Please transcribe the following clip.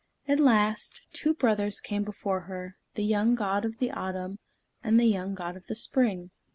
At last, two brothers came before her, the young God of the Autumn, and the young God of the Spring.